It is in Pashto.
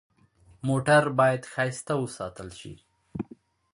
موټر باید ښایسته وساتل شي.